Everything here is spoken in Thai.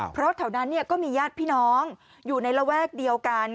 เพราะแถวนั้นก็มีญาติพี่น้องอยู่ในระแวกเดียวกัน